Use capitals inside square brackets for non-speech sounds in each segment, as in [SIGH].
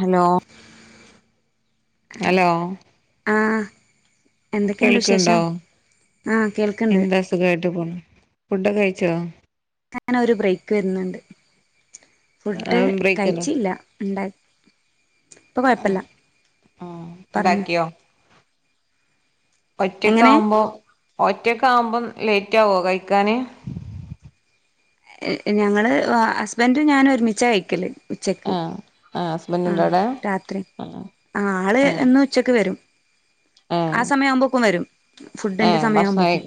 Hello hello ആഹ് എന്തൊക്കെയുണ്ട് കേൾക്ക്ണ്ടോ വിശേഷം ആഹ് കേൾക്കണ്ട് സുഖയിട്ട് പോണ് ഫുഡൊക്കെ കഴിച്ചോ ഞാനൊ ഒരു ബ്രേക്ക് വരുന്നുണ്ട് ഫുഡ് ബ്രേക്കല്ലേ കഴിച്ചില്ല ഉണ്ട ഇപ്പൊ കുഴപ്പല്ല ആഹ് പറഞ്ഞോ ഉണ്ടാക്കിയോ ഒറ്റക്കെ എങ്ങനെ ആവുമ്പോ ഒറ്റൊക്കെ ആവുമ്പോം ലേറ്റ് ആവുവോ കഴിക്കാന് ഞങ്ങള് ഹസ്ബൻഡും ഞാൻ ഒരുമിച്ച കഴിക്കല് ഉച്ചക്ക് ആഹ് ആഹ് ഹസ്ബൻഡ്ണ്ടോ ആഹ് അവിടെ രാത്രി ആഹ് ആള് ആഹ് എന്നും ഉച്ചക്ക് വരും ആഹ് ആ സമയ ആവുമ്പോക്കും വരും ഫുഡിന്റെ ആഹ് ഭക്ഷണം സമയവുമ്പോക്കും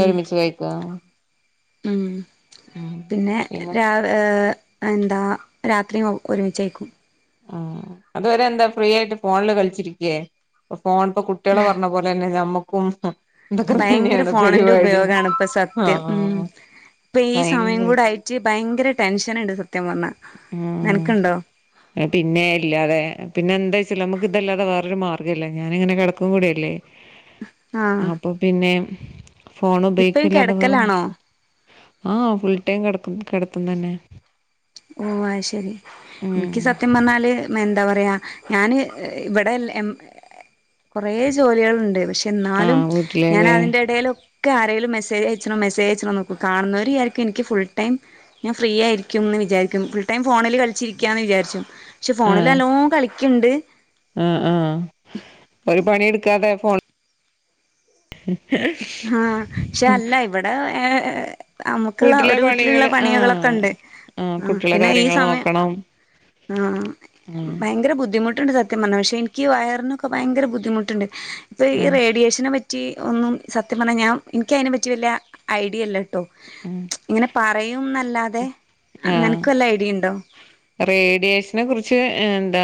ഉം ആയിക്കോ ഉം പിന്നെ ര ഏഹ് എന്താ രാത്രി ഒരുമിച്ചേക്കും ആഹ് അതുവരെ എന്താ ഫ്രീ ആയിട്ട് ഫോണില് കളിച്ചിരിക്കേ ഫോണ ഇപ്പൊ കുട്ടിയള് പറഞ്ഞ പോലെ തന്നെ ഞമ്മക്കും ഇതൊക്കെ ഭയങ്കര തന്നെയാണ് ഫോണിന്റെ പരിപാടി ഉപയോഗാണ് ഇപ്പ സത്യം ഉം ആഹ് ഇപ്പ ഈ സമയം കൂടെ ഭയങ്കരായിട്ട് ആയിട്ട് ച് ഭയങ്കര ടെൻഷൻ ഉണ്ട് സത്യം പറഞ്ഞാ നിനക്കുണ്ടോ ആഹ് പിന്നെ ഇല്ലാതെ പിന്നെന്താ വെച്ചാ നമുക്ക് ഇതല്ലാതെ വേറൊരു മാർഗ്ഗല്ല ഞാനിങ്ങനെ കിടക്കും കൂടല്ലേ ആഹ് അപ്പൊ പിന്നെ ഫോൺ ഇപ്പഴും ഉപയോഗിക്കല്ലാതെ വേറെ കിടക്കലാണോ ആഹ് ഫുൾ ടൈം കെടക്കും കെടത്തും തന്നെ ഓ വഹ്ശരി ഉം എനിക്ക് സത്യം പറഞ്ഞാല് എന്താ പറയാ ഞാന് ഇവിടെ ഏഹ് കൊറെ ജോലികളുണ്ട് പക്ഷെ എന്നാലും ആഹ് ഞാൻ വീട്ടിലല്ലേ അതിന്റെ ഇടേല് ക്കെ ആരേലും മെസേജ് അയച്ചണം മെസേജയച്ചണം കാണുന്നർ വിചാരിക്കും എനിക്ക് ഫുൾ ടൈം ഞാ ഫ്രീ ആരിക്കുംന്ന് വി വിചാരിക്കും ഫുൾ ടൈം ഫോണിൽ കളിച്ചിരിക്കാന്ന് വിചാരിച്ചു പക്ഷെ ഫോണിൽ ആഹ് എലോ കളിക്ക്ണ്ട് ആഹ് ആഹ് ഒരു പണി എടുക്കാതെ ഫോൺ ആഹ് പക്ഷെ അല്ല ഇവിടെ ഏഹ് നമുക്കുള്ള വീട്ടിലെ ഒരു വീട്ടിലുള്ള പണികള് ആഹ് പണികകളൊക്കെണ്ട് ആഹ് ആ കുട്ടികളെ പിന്നെ ഈ കാര്യങ്ങൾ സമയം നോക്കണം ആഹ് ആഹ് ഭയങ്കര ബുദ്ധിമു ണ്ട് സത്യം പറഞ്ഞ പക്ഷെ എനിക്ക് ഈ വയറിനൊക്കെ ഭയങ്ക ബുദ്ധിമുട്ടുണ്ട് ഇപ്പൊ ഈ ആഹ് റേഡിയേഷനെ പറ്റി ഒന്നും സത്യം പറഞ്ഞാൽ ഞാൻ എനിക്ക് അയ്നെ പറ്റി വല ഐഡിയല്ല കേട്ടോ ആഹ് ഇങ്ങനെ പറയും എന്നല്ലാതെ ആഹ് നിനക്ക് വല്ല ഐഡിയ ഉണ്ടോ റേഡിയേഷനെ കുറിച്ച് എന്താ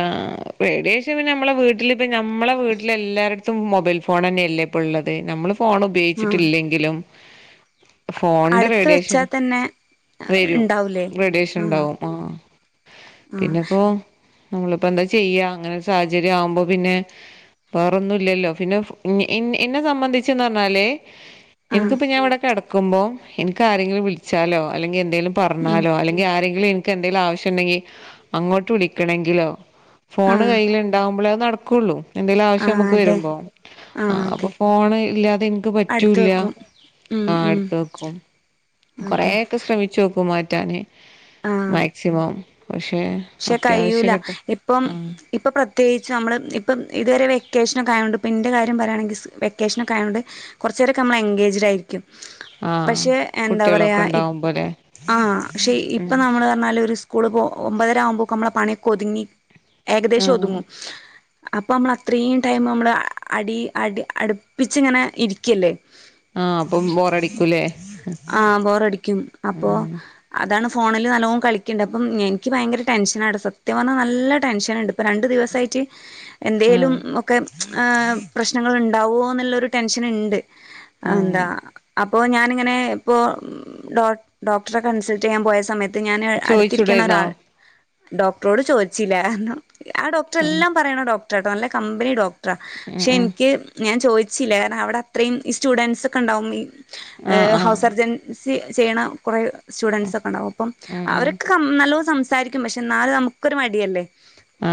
റേഡിയേഷൻ പിന്നെ നമ്മളെ വീട്ടിലിപ്പ ഞമ്മളെ വീട്ടില് എല്ലാവരു മൊബൈൽ ഫോൺ തന്നെയല്ലേ ഇപ്പോൾ ഉള്ളത് നമ്മൾ ഫോൺ ആഹ് ഉപയോഗിച്ചിട്ടില്ലെങ്കിലും ഫോണിന്റെ അടുത്ത് റേഡിയേഷൻ വെച്ചാ തന്നെ വരും ഉണ്ടാവൂലേ റേഡിയേഷൻ ആഹ് ഇണ്ടാവും ആ ആഹ് പിന്നെപ്പോ നമ്മളിപ്പോ എന്താ ചെയ്യാ അങ്ങനെ സാഹചര്യം ആവുമ്പോ പിന്നെ വേറൊന്നൂല്ലല്ലോ പിന്നെ എന്നെ സംബന്ധിച്ചെന്ന് പറഞ്ഞാല് ആഹ് എനിക്കിപ്പ ഞാൻവിടെക്കെ കെടക്കുമ്പോ എൻക്ക് ആരെങ്കിലും വിളിച്ചാലോ അല്ലെങ്കിൽ എന്തെങ്കിലും ഉം പറഞ്ഞാലോ അല്ലെങ്കിൽ ആരെങ്കിലും എനിക്ക് എന്തേലും ആവശ്യണ്ടെങ്കിൽ അങ്ങോട്ട് വിളിക്കണെങ്കിലോ ഫോണ് ആഹ് കയ്യില് ഇണ്ടാവകുമ്പോളേ അത് നടക്കുള്ളൂ എന്തേലും ആവശ്യം ആഹ് നമുക്ക് അതെ വരുമ്പോ ആ ആഹ് അപ്പൊ അതെ ഫോണ് ഇല്ലാതെ എനിക്ക് അടുത്ത് പറ്റൂല്ല വെക്കും ഉം ആഹ് ഉം അടുത്ത് വെക്കും അതെ ചോപ്പു മാറ്റാന് ആഹ് മാക്സിമം പക്ഷെ പക്ഷെ അത്യാവശ്യ കയൂല ഘട്ട ഇപ്പം ആഹ് ഇപ്പ പ്രത്യേകിച്ച് നമ്മള് ഇപ്പ ഇതുവരെ വെക്കേഷനൊക്കെ ആയോണ്ട് ഇപ്പെന്റെ കാര്യം പറയാണെങ്കിൽ വെക്കേഷനൊക്കെ ആയത് കൊണ്ട് കുറച്ച് നേരൊക്കെ നമ്മൾ എൻഗേജ്ഡ് ആയിരിക്കും ആഹ് പക്ഷെ എന്താ കുട്ടികളൊക്കെ പറയാ ഉണ്ടാവുമ്പോലെ ആഹ് പക്ഷെ ഉം ഇപ്പൊ നമ്മള് പറഞ്ഞാല് ഒരു കൂടെ ഒമ്പതര ആവുമ്പോക്ക നമ്മളെ പണിയൊക്കെ ഒതുങ്ങി ഏകദേശം ആഹ് ഒതുങ്ങും അപ്പൊ നമ്മള അത്രയും ടൈം നമ്മള് അടി അടി അടുപ്പിച്ചിങ്ങനെ ഇരിക്കല്ലേ ആഹ് അപ്പം ബോറടിക്കൂലേ ആഹ് ബോറടിക്കും അപ്പൊ ഉം അതാണ് ഫോണിൽ നല്ലോം കളിക്കണ്ട് അപ്പം എനിക്ക് ഭയങ്കര ടെൻഷനാണ് സത്യം പറഞ്ഞാൽ നല്ല ടെൻഷന്ണ്ട് ഇപ്പൊ രണ്ടു ദിവസായിട്ട് എന്തേലും ആഹ് ഒക്കെ പ്രശ്നങ്ങൾ ഇണ്ടാവോ എന്നുള്ളൊരു ടെൻഷൻ ഇണ്ട് എന്താ ആഹ് അ പ്പോൾ ഞാാനിങ്ങനെ ഇപ്പോൾ ഡോ ഡോക്ടറെ കൺസൾട്ട് ചെയ്യാൻ പോയ സമയ ത്ത് ഞാൻ അടുത്തിരിക്കണ ചോയിച്ചൂടായിരുന്നോ ഒരാൾ ഡോക്ടറോട് ചോദിച്ചില്ല ആ ഡോക്ടറെ ഉം എല്ലാം പറയണ ഡോക്ടർ ആട്ടോ നല്ല കമ്പനി ഡോക് ഉം പക്ഷെ ഉം എനിക്ക് ഞാൻ ചോദിച്ചില്ല കാരണം അവിടെ അത്രയും ഈ സ്റ്റുഡന്റ്സ് ഒക്കെ ഇണ്ടാവും ആഹ് ഏഹ് ആഹ് ഹൗസ് സർജൻസി ചെയ്യണ കുറേ സ്റ്റുഡൻ്റ്സ് ഒക്കെ ഇണ്ടാവും അപ്പം ഉം ഉം അവരൊക്കെ നല്ലോത് സംസാരിക്കും പക്ഷേ എന്നാലും നമുക്കൊരു മടിയല്ലേ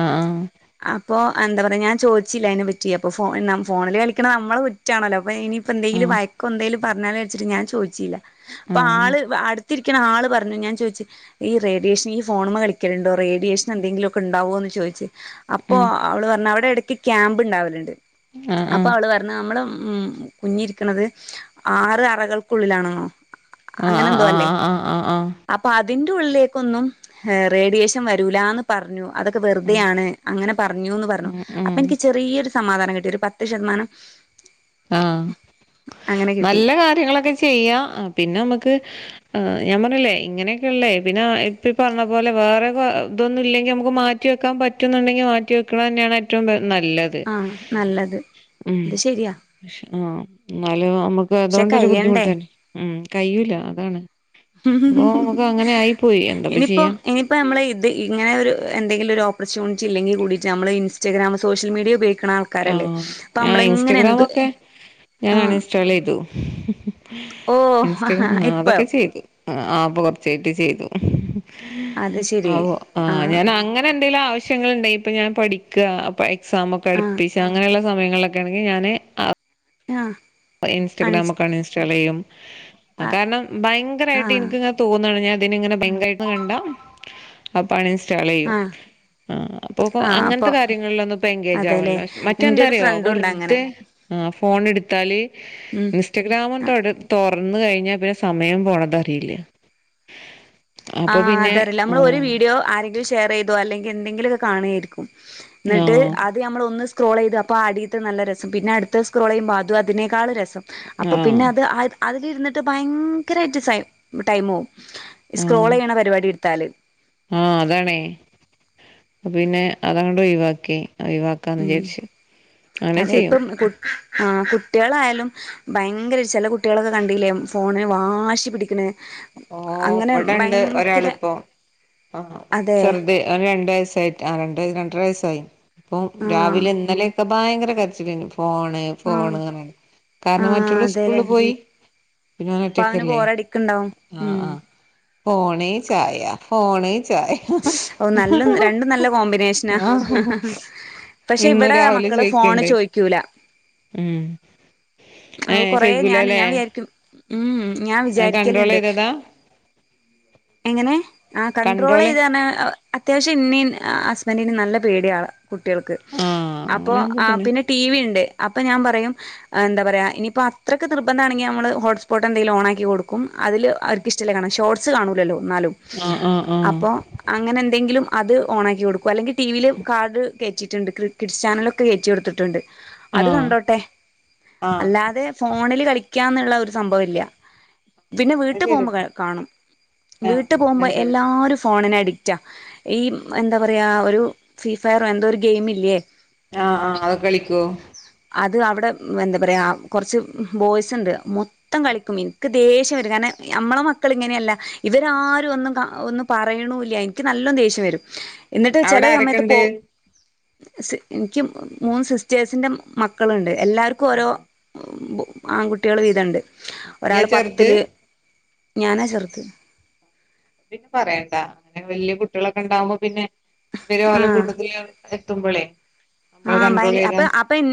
ആഹ് ആഹ് അപ്പൊ എന്താ പറയ ഞാൻ ചോദിച്ചില്ല അയ്നെ പറ്റി അപ്പോ ഫോ ഫോണിൽ കളിക്കണ നമ്മള കുറ്റാണല്ലോപയിനി പ്പ ആഹ് എന്തെങ്കിലും വയക്കോ എന്തെലും പറഞ്ഞാലോച്ചിട്ട് ഞാൻ ചോദിച്ചില്ല പ്പൊ ആഹ് ആൾ അ ട് ത്തിരിക്കുന്ന ആൾ പറഞ്ഞു ഞാൻ ചോദിച്ച ഈ റഡിയേഷൻ ഈ ഫോണ്മ കളി ുണ്ടോ റേഡിയേഷൻ എന്തെങ്കിലു ക്കെ ഉണ്ടാവോ എന്ന് ചോദിച്ച് അപ്പൊ ഉം അവൾ പറഞ് അവിടെ ഇടക്ക് ക്യാമ്പ് ഉണ്ടാവലുണ്ട് ആഹ് അപ്പൊ ആഹ് അവൾ പറ നമ്മള് ഉം കുഞ്ഞി ഇരിക്ക്ണത് ആറ് അറകൾക്കുള്ളിലാണെന്നോ അങ്ങനെ ആഹ് എന്തോ അല്ലേ ആഹ് ആഹ് ആഹ് ആഹ് ആഹ് അപ്പൊ അതിന്റെ ഉള്ളിലേക്കൊന്നും ഏഹ് റേഡിയേഷൻ വരൂലന്ന് പറഞ്ഞു അതൊക്കെ വെറുതെ ഉം ആണ് അങ്ങനെ പറഞ്ഞുന്ന് പറഞ്ഞു ഉം അപ്പൊ ഉം എനിക്ക് ചെറിയൊരു സമാധാനം കിട്ടി ഒരു പത്ത് ശതമാനം ആഹ അങ്ങനെ കിട്ടി നല്ല കാര്യങ്ങളൊക്കെ ചെയ്യാം പിന്നെ നമുക്ക് ആ് ഞാൻ പറഞ്ഞല്ലേ ഇങ്ങനെയൊക്കെയള്ളേ പിന്നെ ഇപ്പ പറഞ്ഞ പോലെ വേറെ ഇതൊന്നും ഇല്ലെങ്കി നമുക്ക് മാ റ്റി വെക്കാൻ പറ്റുന്നുണ്ടെങ്കിൽ മാറ്റി വെക്കണന്നെയാണ് ഏറ്റവും നല്ലത് ആഹ നല്ലത് അത് ശരിയാ ആഹ് എന്നാലും നമ്മുക്ക് പക്ഷെ അതൊണ്ടൊരു ബുദ്ധിമുട്ട് കഴിയണ്ടേ തന്നെ ഉം കഴൂല അതാണ് പ്പൊ നമുക്ക് അങ്ങനെ ആയി പോയി എന്താപ്പ ചെയ്യാ ഇപ്പ നമ്മൾ ഇത് ഇങ്ങനെ ഒരു എന്തങ്കിലും ഒരു ഓപ്പർച്യണിറ്റി ഇല്ലങ്കിൽ കൂടിട്ട് നമ്മൾ ഇൻസ്റ്റഗ്രാം സോഷ്യൽ മീഡിയ ഉപയോഗിക്ക ആഹ ഞാ ഇൻസ്റ്റഗ്രാമൊക്കെ ഞാൻ അൺ ആഹ് ഇൻസ്റ്റാൾ ചെയ്തു ഓ ഇൻസ്റ്റഗ്രാം ആ ഇപ്പഴോ അതൊക്കെ ചെയ്തു ആ ആ പ്പൊ കൊറച്ചായിട്ട് ചെയ്തു അത് ശരി ആഹ് ഞാൻ അങ്ങനെ എന്തെിലും ആവശ്യങ്ങൾണ്ടെ ഇപ്പൊ ഞാൻ പഠിക്ക ഇപ്പ എക്സാമൊക്കെ ആഹ് അടുപ്പിച്ച് അങ്ങനെയുള്ള സമയങ്ങളിലൊക്കെണെങ്കിൽ ഞാന് ആ ആഹ് പ്പ അൻസ് ഇൻസ്റ്റാഗ്രാമൊക്കെ അൺ ഇൻസ്റ്റാൾ ചെയ്യും ആ കാരണം ആ ഭയങ്കരായിട്ട് ഇനിക്കിങ്ങനെ തോന്നാണ് ഞാൻ ഇതിനിങ്ങനെ ബെങ്കായിട്ട് കണ്ടാ അപ്പൊ അൺ ഇൻസ്റ്റാളെയ്യും ആ ആഹ് അപ്പൊപ്പോ ആ അങ്ങനത്തെ അപ്പം കാര്യങ്ങളിലൊന്നിപ്പൊ എൻഗേജ് അതെല്ലേ ആവണില്ലാ എന്റെ ഒരു മറ്റെന്താറിയോ ഫ്രണ്ടുണ്ട് അങ്ങനെ വെറുതെ ആ ഫോണെടുത്താല് ഉം ഇൻസ്റ്റഗ്രാമ് തൊട തൊറന്നെഴിഞ്ഞാൽ പിന്നെ സമയം പോണതറിയില്ല ആഹ് അതറില്ല നമ്മള് ഒരു വീഡിയോ ആരെ ഷെയർ ചെയ്തോ അല്ലെങ്കിൽ എന്തെങ്കിലും ഒക്കെ കാണേരിക്കും ആ എന്നിട്ട് അത് അത് നമ്മൾ ഒന്ന് സ്ക്രോൾ ചെയ്ത് അപ്പോൾ അടീത്തെ നല്ല രസം പിന്നെടുത്തെ സ്ക്രോൾ ചെയ്യുമ്പോൾ അതും അതിനേക്കാൾ രസം അപ്പൊ ആ പിന്നെ അത് അതിലിരുന്നിട്ട് ഭയങ്കരായിട്ട് സൈ ടൈമോവും സ്ക്രോൾ ചെയ്യണ പരിപാടി എടുത്താല് ആഹ് അതാണേ അപ പിന്നെ അതങ്ങട്ട് ഒഴിവാക്കി ഒഴിവാക്കാന്ന് ഉം വിചാരിച്ചു അങ്ങനെ അതെ ചെയ്യും ഇപ്പം കു ആ കുട്ടികളായാലും ഭയങ്കര ചെല കുട്ടികളൊക്കെ കണ്ടില്ലേ ഫോണിന് വാശി പിടിക്കണ് ഓ ഇവിടെണ്ട് ഒരാളിപ്പോ ആ അതെ ചെറുത് ഓന് രണ്ട് വയസായി ആ രണ്ട് രണ്ടര വയസ്സായി ഇപ്പൊ ആഹ് രാവിലെ ഇന്നലെ ഒക്കെ ഭയങ്കര കരച്ചലേനു ഫോണ് ആഹ് ഫോണ്ന്നറിഞ്ഞ്ക്കാണ്ട് കാരണം ആഹ് മറ്റൊൽ അതെല്ലേ സ്കൂളിൽ പോയി പിന്നെ അപ്പൊ അവന് ഓനൊറ്റക്കല്ലേ ബോറടിക്കുണ്ടാവും ആഹ് ഉം ആഹ് ഫോണ് ചായ ഫോണ് ചായ ഓ നല്ല രണ്ടും നല്ല കോമ്പിനേഷനാ ആഹ് പക്ഷെ ഇന്ന് ഇവിടെ രാവിലെ മക്കള് ഫോണ് ചോയിക്ക്ണ്ട് ചോദിക്കൂല ഉം ഏ അത് കൊറേ ഞാന് ചോയിക്കൂലല്ലേ ഞാൻ വിചാരിക്കും ഉം ഉം ഞാൻ അത് കൺട്രോൾ വിചാരിക്കലുണ്ട് ചെയ്തതാ എങ്ങനെ ആ കൺട്രോള് കൺണ്ട്രോളെയ്ത് ണെ അത്യാവശ്യം എന്നേം ഹസ്ബന്റിന് നല്ല പേടിയാള കുട്ടികൾക്ക് ആ അപ്പൊ അങ്ങനാവുമ്പോ ആ പിന്നെ ടിവി ഇണ്ട് അപ്പൊ ഞാൻ പറയും ആ എന്താ പറയാ ഇനിയിപ്പോ അത്രക്ക് നിർബന്ധാണെങ്കി നമ്മള് ഹോട്ട്സ്പോട്ടെന്തെങ്കിലും ഓണാക്കി കൊടുക്കും അതില് അവര് ക്കിഷ്ട്ടല്ലേ കാണാ ഷോട്സ് കാണുല്ലല്ലോ ഇന്നാലും ആഹ് ആഹ് ആഹ് അങ്ങനെ എന്തെങ്കിലും അത് ഓണാക്കി കൊടുക്കും അല്ലെങ്കി ടിവില് കാർഡ് കേറ്റിട്ടുണ്ട്. കിഡ്സ് ചാനലൊക്കെ കേറ്റി കൊടുത്തിട്ടുണ്ട് അത് ആ കണ്ടോട്ടെ ആഹ് അല്ലാതെ ഫോണില് കളിക്കാന്നുള്ള ഒരു സംഭ ഇല്യ പിന്നെ അത് വീട്ടി ചെയ്തു പോകുമ്പേ കാണും ആഹ് വീട്ടു പോകുമ്പോ ണ്ട് എല്ലാരും ഫോണിനടി റ്റാ ഈ എന്താ പറയാ ഒരു ഫ്രീ ഫയറോ എന്തോ ഒരു ഗെയിമില്ലേ ആഹ് ആഹ് അതൊക്കെ കളിക്കോ? അത് അവിടെ എന്താ പറയാ കൊറച്ച് ബോയ്സ്ണ്ട് മൊ ത്തം കളിക്കും ഇനിക്ക് ദേഷ്യം വരും കാരണം നമ്മളെ മക്കളിങ്ങനെ അല്ല ഇവരാരും ഒന്നും കാ ഒന്നും പറയണു ഇല്ല എനിക്ക് നല്ലോ ദേഷ്യം വരും എന്നിട്ട് അവിടെ ചെല സമയത്ത് പോ ആരൊക്കെണ്ട് സ് എനിക്ക് മൂന്ന് സിസ്റ്റേഴ്സിന്റെ മക്കളുണ്ട് എല്ലാർക്കും ഓരോ ആഹ് ബോ ആൺകുട്ടികള് വീതണ്ട് ഇയ്യാ ഒരാള് ചെറുത് പത്തില് ഞാനാ ചെറുത് പിന്നെ പറയണ്ടാ അങ്ങനെ വല്യ കുട്ടിളൊക്കെ ഉണ്ടാവുമ്പോ പിന്നെ ഇവരും ആ ഓലെ കൂട്ടത്തില് എത്തുമ്പോളേ ആഹ് ഭയങ്കര അപ്പൊ അപ്പൊ എൻ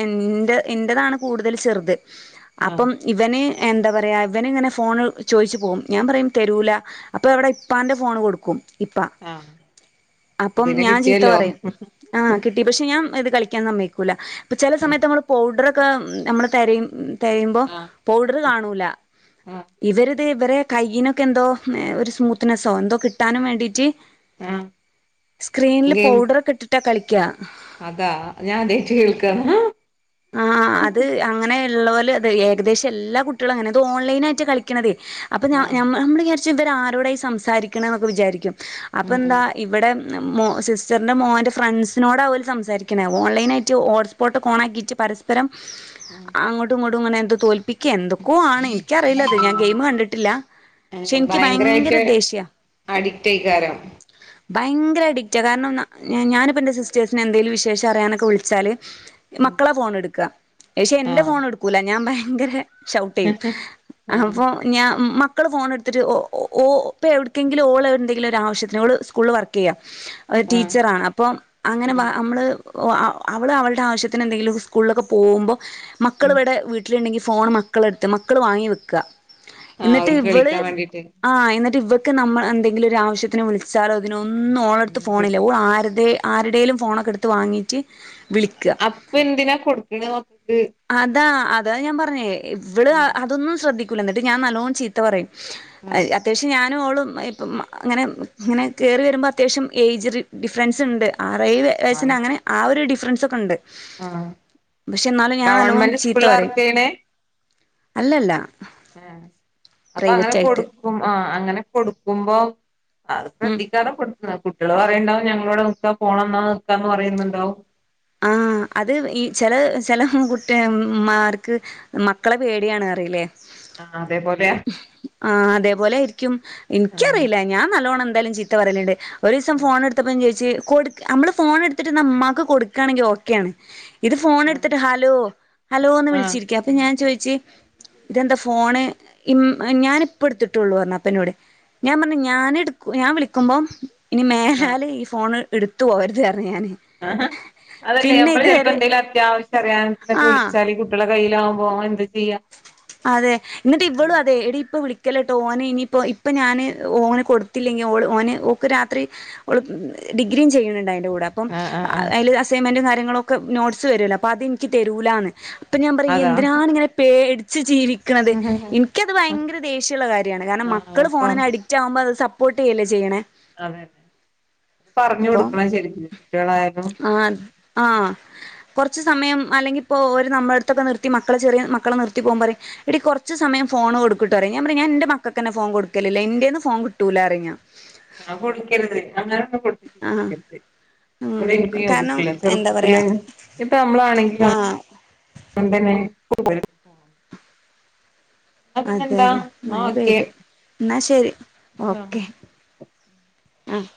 എന്റെ എന്റെതാണ് കൂടുതൽ ചെറുത് ആഹ് അപ്പം ഇവന് എന്താ പറയുക ഇവനിങ്ങനെ ഫോൺൾ ചോയിച്ച് പോകും ഞാൻ പറയും തെരൂല അപ്പൊ അവിടെ ഇപ്പാന്റെ ഫോണ് കൊടുക്കും ഇപ്പാ ആഹ് അപ്പൊ അപ്പം പിന്നെ ഞാൻ ചീത്ത കിട്ടിയല്ലോ പറയും ആഹ് കിട്ടി പക്ഷെ ഞാൻ ഇത് കളിക്കൻ സമ്മയിക്കൂല ഇപ്പ ചെല സമയത്ത് നമ്മൾ പൗഡർ ഒക്കെ നമ്മള് തെരയും തെരയുമ്പോ ആഹ് പൗഡറ് കാണൂല ആഹ് ഇവര് തെ ഇവരെ കൈയിനൊക്കെ എന്തോ ഒരു സ്മൂത്ത്നെസോ എന്തോ കിട്ടാനും വേണ്ടീറ്റ് ആഹ് സ്ക്രീനില് ഗെയിം പൗഡറൊക്കെ ഇട്ടിട്ടാ കളിക്ക അതാ ഞാൻ ആദ്യായിട്ട് കേൾക്കാണ് ആഹ് ആഹ് ആഹ് അത് അങ്ങനെ ഇള്ളോല് അത് ഏകദേശം എല്ലാ കുട്ടികളും അങ്ങനെ ഇത് ഓൺലൈനായിട്ട് കളിക്കണതേ അപ്പ ഞ ആഹ് ഞമ്മ ഞമ്മള് വിചാ ഇജ് ഇതുവരെ ആരോടാ ഈ സംസാരിക്ക്ണെ ഒക്കെ വിചാരിക്കും അപ്പൊ ഉം എന്താ ഉം ഇവിടെ ഉം മോ സിസ്റ്ററിൻ്റെ മോൻ്റെ ഫ്രണ്ട്സിനോടാ ഓല് സംസാരിക്ക്ന്ന ഓൺലൈനായിട്ട് ഹോട്ട്സ്പോട്ട് ഓണാക്കിറ്റ് പരസ്പരം ഉം അങ്ങോട്ടും ഇങ്ങോട്ടും ഇങ്ങനെ എന്ത് തോൽപ്പിക്ക എന്തൊക്കോ ആണ് എൻക്ക് അറിയില്ലത് ഞാൻ ഗെയിമ് കണ്ടിട്ടില്ല പക്ഷെ എനിക്ക് ഭയങ്കര ദേഷ്യ അഡിറ്റേക്കാരം ഭയങ്കര അഡിക്റ്റ കാരണംന്ന ഞ ഞാനിപ്പോ എൻ്റെ സിസ്റ്റേഴ്സിനെ എന്തേലും വിശേഷം അറിയാനൊക്കെ വിളിച്ചാല് ആഹ് ക്കളെ ഫോൺ എടുക്ക പക്ഷേ എൻ്റെ ഫോൺ എടുക്കൂല ഞാൻ ഭയങ്കരെ ഷൗട്ട് ചെയ്യും ആഹ് അപ്പൊ ഞാമ് മക്കള് ഫോണ് എടുത്തിട്ട് ഓ ഓ ഓ ഇപ്പെ എവിടക്കെങ്കിലും ഓള് എന്തെങ്കിലും ഒരു ആവശ്യത്തിന് ഓള് സ്കൂള് വർക്ക് ചെയ്യാ അവര് ആഹ് ടീച്ചറാണ് അപ്പൊ അങ്ങനെ വ ആഹ് നമ്മള് ഒ അവ അവള് അവളുടെ ആവശ്യത്തിന് എന്തെങ്കിലും ഉസ്കൂളിലൊക്കെ പോവുമ്പോ മക്കൾ ഉം ഇവിടെ വീട്ടിലുണ്ടെങ്കി ഫോൺ മക്കളെടുത്ത് മക്കൾ വാങ്ങി വെക്ക ആഹ് ഇന്നട്ട് ഓൽക്ക് ഇവള് കളിക്കാൻ വേണ്ടീട്ട് ആഹ് എന്നിട്ട് ഇവക്ക് നമ്മൾ എന്തെങ്കിലും ഒരു ആവശ്യത്തിന് വിളി ച്ചാലും അതിന് ഒന്നും ഓളെ അടുത്ത് ഫോണില്ല ഓള് ആര്തെ ആരുടേലും ഫോണൊക്കെ എടുത്ത് വാങ്ങിയിട്ട് വിളിക്ക അപ്പൊ എന്തിനാ കൊടുക്ക്ണത് മക്കൾക്ക് അതാ അതാ ഞാൻ പറഞ്ഞേ ഇവള് അ അതൊന്നും ശ്രദ്ധിക്കൂല എന്നിട്ട് ഞാൻ നല്ലോം ചീ ത്ത പറിയും ആഹ് അത് അത്യാവിശ്യം ഞാൻ നും ഓളും ഇപ്പം അങ്ങനെ ഇങ്ങനെ കേറി വരുമ്പം അത്യാവശ്യം ഏജ് ഡിഫറൻസ് ഇണ്ട് ആറ് ഏഴ് വെ വയസ്സിനെ ആഹ് അങ്ങനെ ആ ഒരു ഡിഫറൻസ് ഒക്കെ ഉണ്ട് ആഹ് പക്ഷെ എന്നാലും ഞാൻ നല്ലോം ഗവൺമെന്റ് ചീത്ത സ്കൂളിലാ പറയും വർക്ക് ചെയ്യണേ അല്ല അല്ല ഉം അപ്പൊ അങ്ങനെ കൊടുക്കും ആ അങ്ങനെ കൊടുക്കുമ്പം അത് ഉം ശ്രദ്ധിക്കാതെ കൊടു ആഹ് കുട്ടികള് പറയിണ്ടാവും ഞങ്ങളിവിടെ നിക്കാ ഫോണ് തന്നാ നിക്കാ എന്ന് പറിയുന്നുണ്ടാവും ആഹ് അത് ഈ ചെല ചെല കുട്ടേ ഇമ്മാർക്ക് മക്കളെ പേടിയാണ് പറയില്ലേ ആഹ് അതേ പോലെയാ ആഹ് അതേപോലെ ആയിരിക്കും ഇൻക്ക് ആഹ് അറിയില്ല ഞാൻ നല്ലോണം എന്തായാലും ചീ ത്ത പറയല്ണ്ട് ഒരു ദിവസം ഫോൺ എടുത്തപ്പം ചോദിച്ച് കൊട്ക് നമ്മള് ഫോൺ എടുത്തിട്ട് ഇന്നാ ഇമ്മാക്ക് കൊട് ക്കാണെങ്കി ഓക്കെ ആണ് ഇത് ഫോൺ ആഹ് എടുത്തിട്ട് ഹലോ ഹലോ എന്ന് ആഹ് വിളിച്ചിരിക്ക അപ്പൊ ഞാൻ ചോയിച്ച് ഇതെന്താ ഫോണ് ഇം ഞാന് ഇപ്പം എടുത്തിട്ടുള്ളൂ പറഞ്ഞ് അപ്പ ഇന്നോട് ഞാൻ പറഞ്ഞ് ഞാൻ എടു ഞാൻ വിളിക്കുമ്പം ഇനി ആഹ് മേലാല് ഈ ഫോണ് ഇടുത്ത് പോവരുത് പറഞ്ഞ് ഞാന് അതല്ലേ പിന്നെ ഞമ്മള് ചെലപ്പോ ഇതുവരെ എന്തെങ്കിലും അത്യാവിശ്യം അറിയാനൊക്കെ ചെലപ്പൊ ആഹ് വിളിച്ചാല് കുട്ടികളെ കയിലാവുമ്പോ ഓൻ എന്താ ചെയ്യാ അതെ ഇന്നട്ട് ഇവള് ഇതെയ് എടീ ഇപ്പം വിളിക്കല്ലേ ട്ടോ ഓന് ഇനിയിപ്പോ ഇപ്പം ഞാന് ഓന് കൊടുത്തില്ലെങ്കി ഓള് ഓന് ഓക്ക് രാത്രി ഓള് ഡിഗ്രിയും ചെയ്യ്‌ണ്‌ണ്ട് അയിന്റെ കൂടെ അപ്പം ആഹ് ആഹ് ആഹ് അയില് അസൈൻമെന്റും കാര്യങ്ങളും ഒക്കെ നോട്ട്സ് വരുല്ലോ അപ്പൊ അത് ഇൻക്ക് തരൂലാന്ന് അപ്പം ഞാൻ പറയും ഇയ്യ് അതാ എന്തിനാന്ന് ഇങ്ങനെ പേടിച്ച് ജീവി ക്ക്ണത് ഇൻക്ക് അത് ഭയങ്കര ദേഷ്യം ഉള്ള കാര്യാണ് കാരണം ആ മക്കള് പ ഫോണിന് അഡി ക്റ്റാകുമ്പോ അവര് സപ്പോർട്ട് ചെയ്യല്ലേ ചെയ്യണേ അതെ പറഞ്ഞു അപ്പം കൊടുക്കണം ശരിക്ക് കുട്ടികളായാലും [UNINTELLIGIBLE] ആഹ് കൊറച്ച് സമയം അല്ലെങ്കിൽ ഇപ്പോ ഓരെ നമ്മളെ അട്ത്തൊക്കെ നിർത്തി മക്കളെ ചെറിയ മക്കളെ നിർ ത്തി പോവാൻ പറിയും എടി കൊറ്ച്ച് സമയം ഫോൺ കൊടുക്ക് ട്ടോ പറിയും ഞാൻ പറിയും ഞാൻ ഇന്റെ മക്കക്കന്നെ ഫോൺ കൊടുക്കലില്ല ഇന്റേന്ന് ഫോൺ കിട്ടൂലാ പറിയും ഞാൻ ആഹ് കൊടുക്കരുത് അങ്ങനെ ഒന്നും കൊട്ത്ത് ആഹ് ശിലാക്കര്ത് ഉം ഇവടെ എനിക്കും കാരണം യോജിപ്പില്ല എന്താ പറയാ ചെറുപ്പത്തിലെ ഇങ്ങനെ ഇപ്പൊ നമ്മളാണെങ്കിലും ആഹ് [UNINTELLIGIBLE] എന്നാ അതെ പിന്നെന്താ അതെ എന്നാ മഴ ഓക്കെ പെയ്ത് എന്നാ ശെരി ആഹ് ഓക്കെ ആഹ്